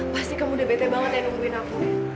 pasti kamu udah bete banget yang nungguin aku